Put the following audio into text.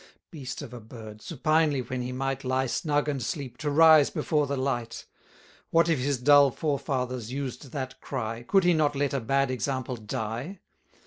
Beast of a bird, supinely when he might Lie snug and sleep, to rise before the light! What if his dull forefathers used that cry, Could he not let a bad example die?